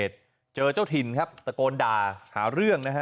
พอถึงจุดที่เกิดเหตุเจอเจ้าถิ่นครับตะโกนด่าหาเรื่อง